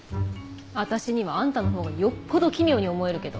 私にはあんたのほうがよっぽど奇妙に思えるけど。